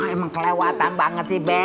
emang kelewatan banget sih be